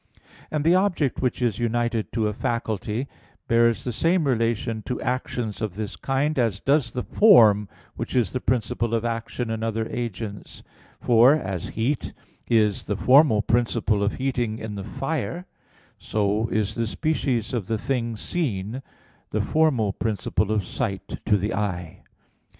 And the object which is united to a faculty bears the same relation to actions of this kind as does the form which is the principle of action in other agents: for, as heat is the formal principle of heating in the fire, so is the species of the thing seen the formal principle of sight to the eye.